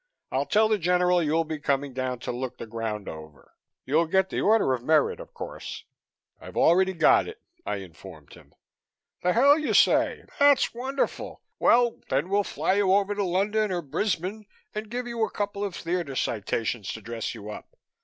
I'll tell the General you'll be coming down to look the ground over. You'll get the Order of Merit, of course " "I've already got it," I informed him. "The hell you say! That's wonderful. Well, then we'll fly you over to London or Brisbane and give you a couple of theatre citations to dress you up.